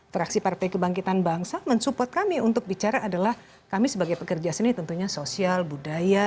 fraksi partai kebangkitan bangsa mensupport kami untuk bicara adalah kami sebagai pekerja seni tentunya sosial budaya